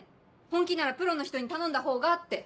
本気ならプロの人に頼んだほうがって。